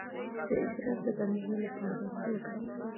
د ادرار د بندیدو لپاره باید څه وکړم؟